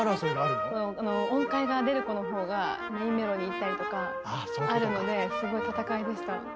音階が出る子のほうがメインメロにいったりとかあるのですごい戦いでした。